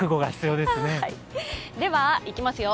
ではいきますよ